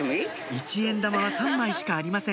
一円玉は３枚しかありません